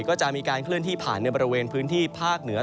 ก็จะมีการเคลื่อนที่ผ่านในบริเวณพื้นที่ภาคเหนือ